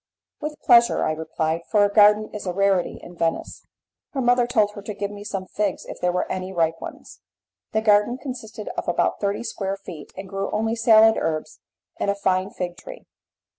"With pleasure," I replied, "for a garden is a rarity in Venice." Her mother told her to give me some figs if there were any ripe ones. The garden consisted of about thirty square feet, and grew only salad herbs and a fine fig tree.